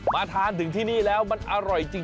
มาทานถึงที่นี่แล้วมันอร่อยจริง